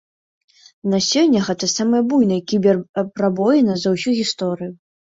На сёння гэта самая буйная кібер-прабоіна за ўсю гісторыю.